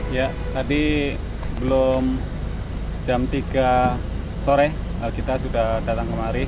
ya tadi sebelum jam tiga sore kita sudah datang kemari